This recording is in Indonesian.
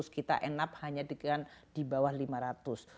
kita enak hanya di bawah rp lima ratus